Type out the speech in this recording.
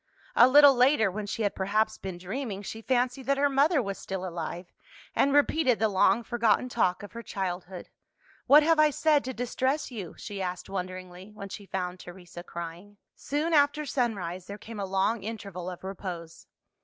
A little later, when she had perhaps been dreaming, she fancied that her mother was still alive, and repeated the long forgotten talk of her childhood. "What have I said to distress you?" she asked wonderingly, when she found Teresa crying. Soon after sunrise, there came a long interval of repose.